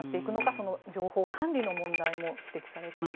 その情報管理の問題も指摘されています。